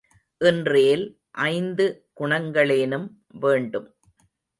இன்றேல் ஐந்து குணங்களேனும் வேண்டும்.